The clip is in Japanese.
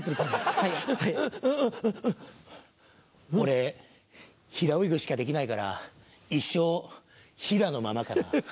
俺平泳ぎしかできないから一生ヒラのままかな。